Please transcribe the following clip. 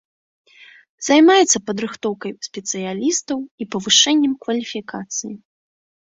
Займаецца перападрыхтоўкай спецыялістаў і павышэннем кваліфікацыі.